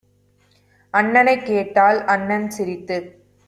அண்ணனைக் கேட்டாள். அண்ணன் சிரித்துக்